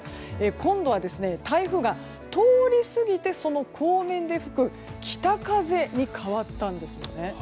今度は台風が通り過ぎて北風に変わったんですよね。